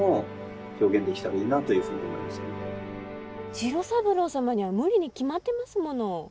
次郎三郎様には無理に決まってますもの。